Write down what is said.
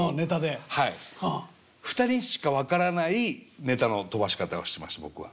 ２人しか分からないネタの飛ばし方をしました僕は。